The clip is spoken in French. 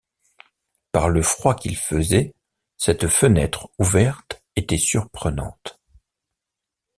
Par le froid qu’il faisait, cette fenêtre ouverte était surprenante.